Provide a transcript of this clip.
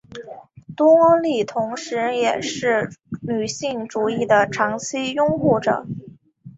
多莉同时也是女性主义的长期拥护者。